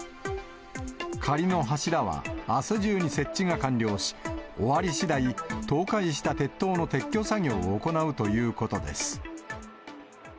仮の柱は、あす中に設置が完了し、終わりしだい、倒壊した鉄塔の撤去作業を行うということです。